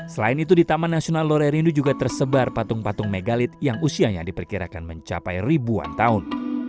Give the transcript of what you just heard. selain itu di taman nasional lorerindu juga tersebar patung patung megalit yang usianya diperkirakan mencapai ribuan tahun